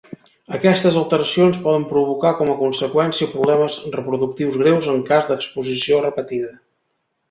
Aquestes alteracions poden provocar com a conseqüència problemes reproductius greus en cas d'exposició repetida.